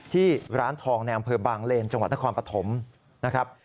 ที่ร้านทองในอำเภอบางเลนจังหวัดนครปฐมนะครับ